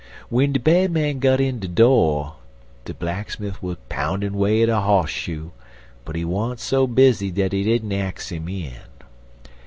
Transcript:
W'en de Bad Man got in de do', de blacksmif wuz poundin' 'way at a hoss shoe, but he wa'n't so bizzy dat he didn't ax 'im in.